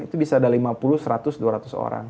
itu bisa ada lima puluh seratus dua ratus orang